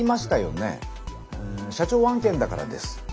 社長案件だからです。